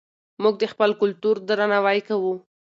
موږ د خپل کلتور درناوی کوو.